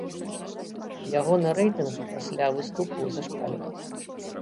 Ягоны рэйтынг пасля выступу зашкальваў.